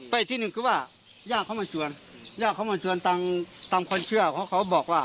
ไปอีกที่หนึ่งคือว่าย่าเขามาจวนย่าเขามาจวนตามคนเชื่อเขาบอกว่า